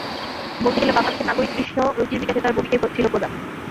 বলতে গেলে, বাংলাদেশের নাগরিক দৃশ্য রুচির বিকাশে তাঁর ভূমিকাই ছিল প্রধান।